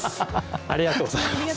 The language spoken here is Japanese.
ありがとうございます。